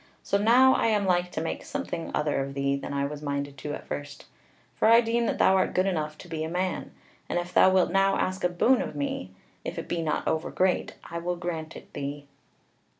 So now I am like to make something other of thee than I was minded to at first: for I deem that thou art good enough to be a man. And if thou wilt now ask a boon of me, if it be not over great, I will grant it thee."